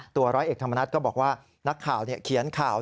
ร้อยเอกธรรมนัฐก็บอกว่านักข่าวเขียนข่าว